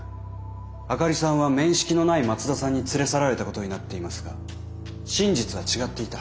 灯里さんは面識のない松田さんに連れ去られたことになっていますが真実は違っていた。